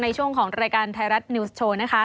ในช่วงของรายการไทยรัฐนิวส์โชว์นะคะ